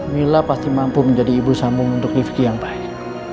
mila pasti mampu menjadi ibu sambung untuk rifki yang baik